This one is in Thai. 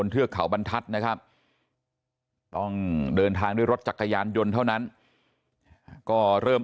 หรือหลับเลได้กว่านั้นไม่รู้หวั่นเลยเหมือนกัน